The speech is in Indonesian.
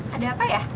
ada apa ya